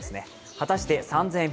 果たして、３０００円